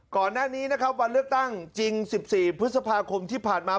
ก่อนหน้านี้นะครับวันเลือกตั้งจริง๑๔พฤษภาคมที่ผ่านมา